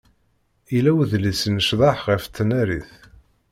Yella udlis n ccḍeḥ ɣef tnarit.